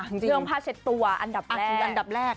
เรื่องผ้าเช็ดตัวอันดับแรก